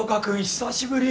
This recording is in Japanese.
久しぶり。